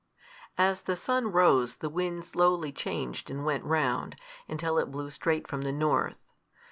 As the sun rose, the wind slowly changed and went round, until it blew straight from the north.